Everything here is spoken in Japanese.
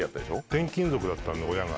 転勤族だったんで、親が。